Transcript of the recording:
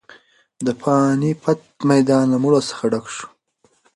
د پاني پت میدان له مړو څخه ډک شو.